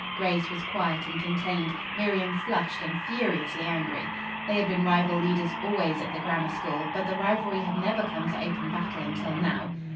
Grace was quiet and contained, Miriam flushed and furiously angry. They had been rival leaders always at the Grammar School, but the rivalry had never come to open battle until now.